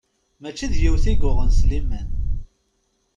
Mačči d yiwet i yuɣen Sliman.